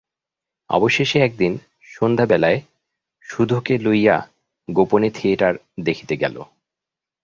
অবশেষে একদিন সন্ধ্যাবেলায় সুধোকে লইয়া গোপনে থিয়েটার দেখিতে গেল।